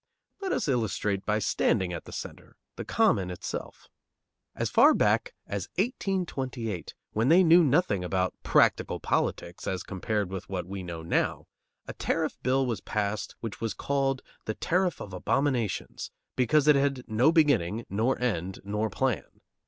Let us illustrate by standing at the centre, the Common itself. As far back as 1828, when they knew nothing about "practical politics" as compared with what we know now, a tariff bill was passed which was called the "Tariff of Abominations," because it had no beginning nor end nor plan.